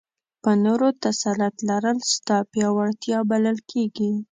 په نورو تسلط لرل ستا پیاوړتیا بلل کېږي.